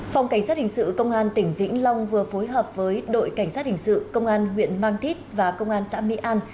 phòng cảnh sát hình sự công an tỉnh vĩnh long vừa phối hợp với đội cảnh sát hình sự công an huyện mang thít và công an xã mỹ an